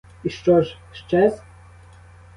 І що ж, щез?